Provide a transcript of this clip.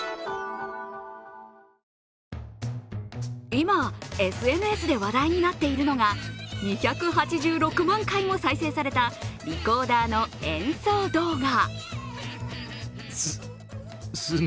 今、ＳＮＳで話題になっているのが２８６万回も再生されたリコーダーの演奏動画。